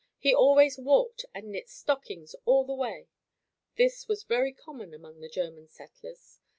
He always walked and knit stockings all the way. This was very common among the German settlers.